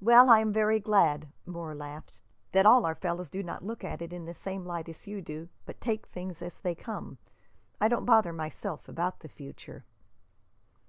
"Well, I am very glad," Moore laughed, "that all our fellows do not look at it in the same light as you do, but take things as they come. I don't bother myself about the future."